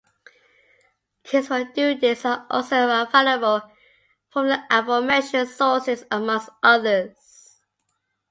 Kits for doing this are also available from the aforementioned sources amongst others.